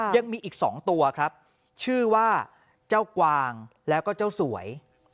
ยักษ์มีอีกสองตัวชื่อว่าเจ้ากวางแล้วก็เจ้าสวย